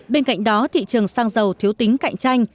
bên cạnh đó thị trường xăng dầu thiếu tính cạnh tranh